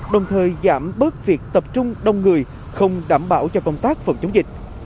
đồng thời giảm bớt việc tập trung đông người không đảm bảo cho công tác phòng chống dịch